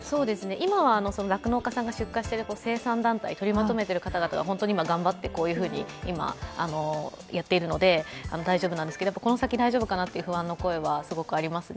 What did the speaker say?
今は酪農家さんが出荷している生産団体、取りまとめている方々がホントに頑張ってこういうふうに今、やっているので大丈夫なんですけどこの先、大丈夫かなという不安の声は結構ありますね。